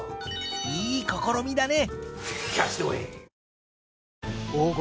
いい試みだね。